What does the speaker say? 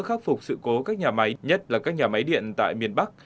khắc phục sự cố các nhà máy nhất là các nhà máy điện tại miền bắc